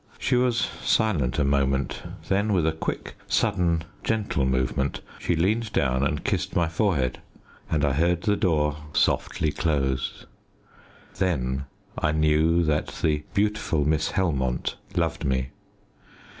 She was silent a moment. Then, with a quick, sudden, gentle movement she leaned down and kissed my forehead and I heard the door softly close. Then I knew that the beautiful Miss Helmont loved me.